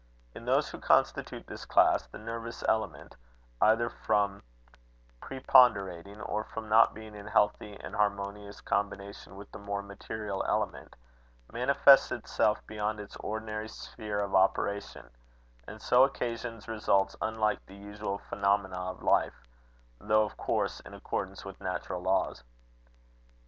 In those who constitute this class, the nervous element, either from preponderating, or from not being in healthy and harmonious combination with the more material element, manifests itself beyond its ordinary sphere of operation, and so occasions results unlike the usual phenomena of life, though, of course, in accordance with natural laws.